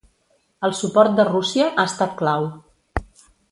El suport de Rússia ha estat clau.